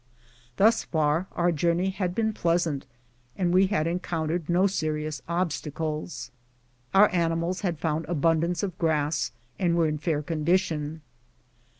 Thus far our journey had been pleasant, and we had encountered no serious obstacles. Our animals had found abundance of grass, and were in fair condition.